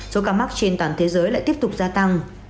số ca mắc trên toàn thế giới lại tiếp tục gia tăng